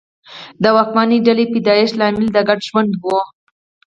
د واکمنې ډلې پیدایښت لامل د ګډ ژوند و